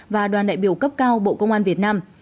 và đoàn đại biểu cấp cao bộ công an việt nam